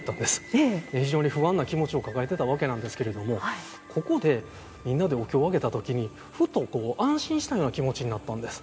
非常に不安な気持ちを抱えてたわけなんですけれどもここでみんなでお経を上げた時にふとこう安心したような気持ちになったんです。